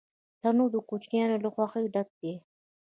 تنور د کوچنیانو له خوښۍ ډک دی